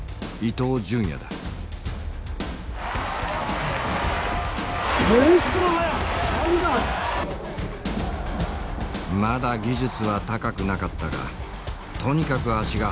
まだ技術は高くなかったがとにかく足が速かった。